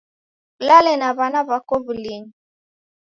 Kulale na w'ana wako w'ulinyi